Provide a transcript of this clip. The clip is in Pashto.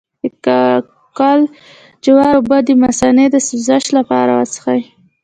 د کاکل جوار اوبه د مثانې د سوزش لپاره وڅښئ